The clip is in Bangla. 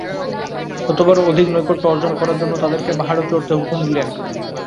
অতঃপর অধিক নৈকট্য অর্জন করার জন্যে তাদেরকে পাহাড়েও চড়তে হুকুম দিলেন।